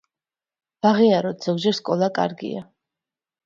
ვაღიაროთ ზოგჯერ სკოლა კარგია